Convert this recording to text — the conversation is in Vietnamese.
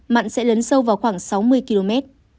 mặn sẽ lấn sâu vào khoảng sáu mươi km